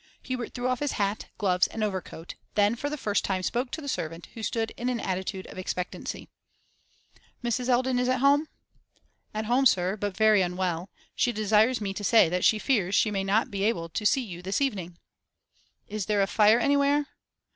Hubert threw off his hat, gloves, and overcoat; then for the first time spoke to the servant, who stood in an attitude of expectancy. 'Mrs. Eldon is at home?' 'At home, sir, but very unwell. She desires me to say that she fears she may not be able to see you this evening.' 'Is there a fire anywhere?